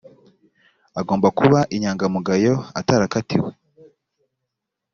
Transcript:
agomba kuba inyangamugayo atarakatiwe